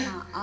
oh gitu ya